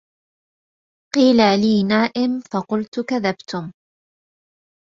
قيل لي نائم فقلت كذبتم